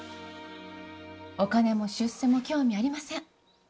お金も出世も興味ありません。